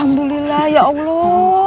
alhamdulillah ya allah